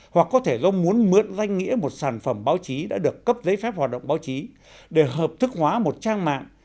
hoặc có thể do muốn mượn danh nghĩa một sản phẩm báo chí đã được cấp giấy phép hoạt động báo chí để hợp thức hóa một trang mạng